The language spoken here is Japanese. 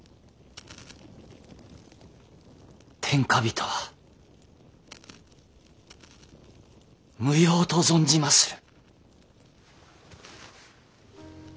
天下人は無用と存じまする。